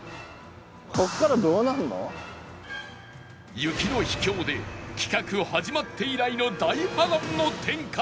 雪の秘境で企画始まって以来の大波乱の展開に！